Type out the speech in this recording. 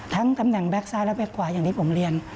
ทั้งตำแหน่งแบ็กซ้ายและแบ็กกว่าอย่างที่ผมเรียน